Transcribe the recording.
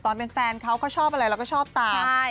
แต่ตอนเป็นแฟนเค้าเค้าชอบอะไรเราก็ชอบต่าง